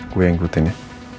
gue yang ikutin ya